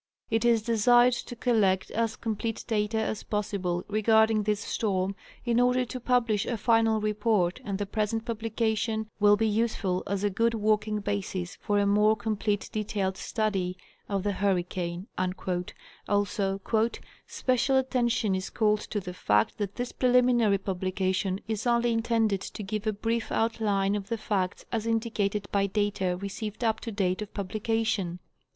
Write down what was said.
It is desired to collect as complete data as possible regarding this storm, in order to publish a final report, and the present publica tion will be useful as a good working basis for a more complete detailed study of the hurricane." Also, "Special attention is called to the fact that this preliminary publication is only in tended to give a brief outline of the facts as indicated by data received up to date of publication."